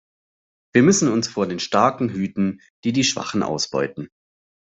Wir müssen uns vor den Starken hüten, die die Schwachen ausbeuten.